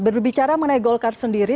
berbicara mengenai golkar sendiri